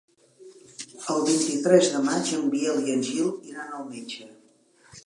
El vint-i-tres de maig en Biel i en Gil iran al metge.